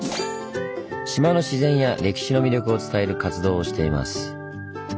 島の自然や歴史の魅力を伝える活動をしています。